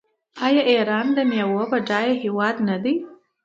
آیا ایران د میوو بډایه هیواد نه دی؟